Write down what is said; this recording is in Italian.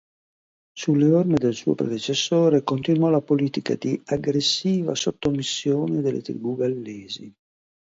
Sulle orme del suo predecessore continuò la politica di aggressiva sottomissione delle tribù gallesi.